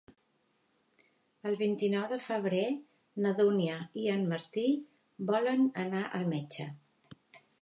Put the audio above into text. El vint-i-nou de febrer na Dúnia i en Martí volen anar al metge.